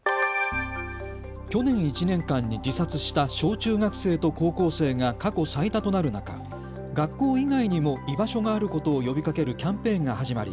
去年１年間に自殺した小中学生と高校生が過去最多となる中、学校以外にも居場所があることを呼びかけるキャンペーンが始まり